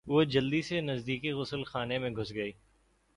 وہ جلدی سے نزدیکی غسل خانے میں گھس گئی۔